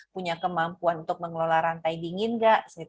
punya kemampuan untuk mengelola rantai dingin nggak